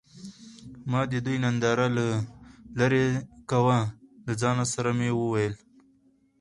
ما د دوي ننداره له لرې کوه له ځان سره مې وويل.